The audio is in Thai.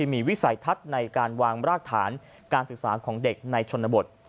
มีวิสัยทัศน์ในการวางรากฐานการศึกษาของเด็กในชนบท